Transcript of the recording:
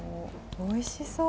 おいしそう！